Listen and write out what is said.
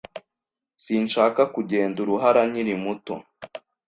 Sinshaka kugenda uruhara nkiri muto.